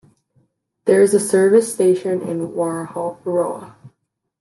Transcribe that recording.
There is a service station in Waharoa.